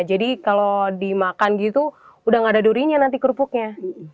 jadi kalau dimakan gitu udah nggak ada durinya nanti kerupuknya